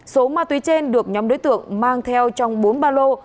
số ma túy trên được nhóm đối tượng mang theo trong bốn ba lô